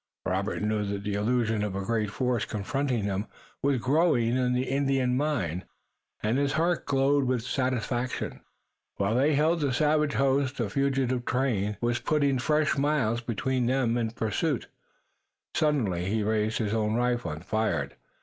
Robert knew that the illusion of a great force confronting them was growing in the Indian mind, and his heart glowed with satisfaction. While they held the savage host the fugitive train was putting fresh miles between them and pursuit. Suddenly he raised his own rifle and fired.